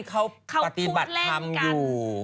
ไม่จริงโบวี่เขาปฏิบัติธรรมอยู่